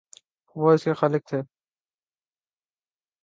وہ اس کے خالق تھے۔